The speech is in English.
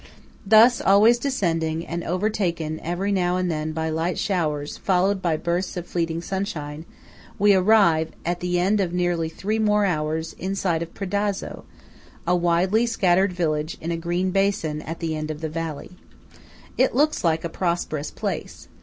Thus, always descending, and overtaken every now and then by light showers followed by bursts of fleeting sunshine, we arrive, at the end of nearly three more hours, in sight of Predazzo, a widely scattered village in a green basin at the end of the valley. It looks like a prosperous place.